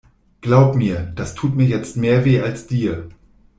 Glaub mir, das tut mir jetzt mehr weh, als dir.